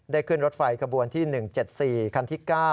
ขึ้นรถไฟขบวนที่๑๗๔คันที่๙